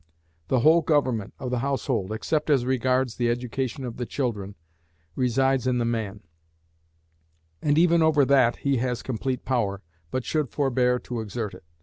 The whole government of the household, except as regards the education of the children, resides in the man; and even over that he has complete power, but should forbear to exert it.